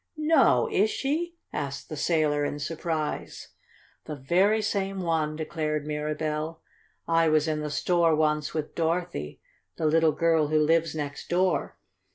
"No! Is she?" asked the sailor, in surprise. "The very same one!" declared Mirabell. "I was in the store once with Dorothy, the little girl who lives next door.